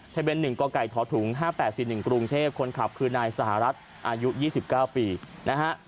ทะเบียน๑กไก่ทถุง๕๘๔๑กรุงเทพคนขับคือนายสหรัฐอายุ๒๙ปีนะฮะ